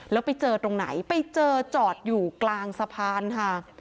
แล้วไปเจอตรงไหนไปเจอจอดอยู่กลางสะพานค่ะ